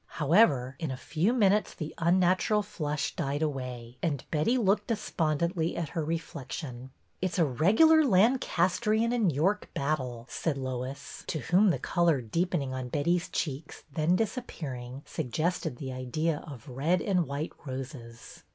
However, in a few minutes the unnatural flush died away, and Betty looked despondently at her reflection. « SHOCKINGLY YOUNG'' 213 " It 's a regular Lancastrian and York battle," said Lois, to whom the color deepening on Betty's cheeks then disappearing suggested the idea of red and white roses.